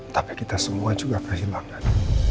tapi kita semua juga kehilangan